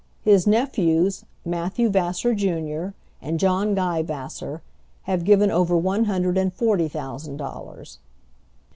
His nephews, Matthew Vassar, Jr., and John Guy Vassar, have given over one hundred and forty thousand dollars.